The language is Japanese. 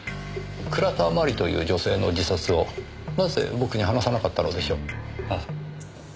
倉田真理という女性の自殺をなぜ僕に話さなかったのでしょう？